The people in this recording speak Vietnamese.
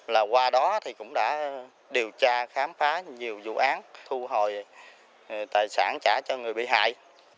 là qua đó thì cũng đã điều tra khám phá nhiều vụ án thu hồi tài sản trả cho người bị hại